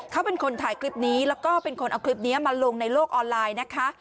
เขาเป็นคนถ่ายคลิปนี้แล้วก็เป็นคนเอาคลิปนี้มาลงในโลกออนไลน์นะคะ